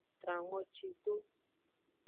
Tran ngoci do.